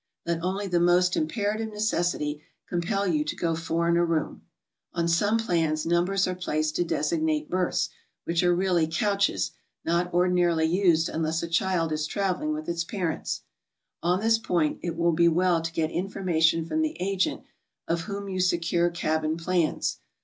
Let only the most imperative necessity compel you to go four in a room. On some plans numbers are placed to designate berths which are really j couches, not ordinarily used unless a child is traveling with | its parents. On this point it will be well to get information j from the agent of whom you secure cabin plans.